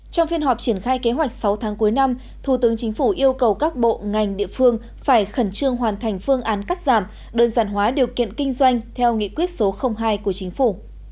trong phiên họp triển khai kế hoạch sáu tháng cuối năm thủ tướng chính phủ yêu cầu các bộ ngành địa phương phải khẩn trương hoàn thành phương án cắt giảm đơn giản hóa điều kiện kinh doanh theo nghị quyết số hai của chính phủ